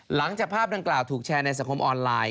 หลังจากภาพดังกล่าวถูกแชร์ในสังคมออนไลน์